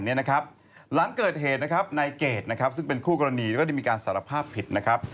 หลังเกิดเหตุในเกรดซึ่งเป็นคู่กรณีแล้วก็ได้มีการสารภาพผิด